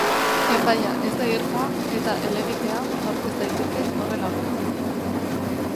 Epaia ez da irmoa eta helegitea aurkez daiteke horren aurka.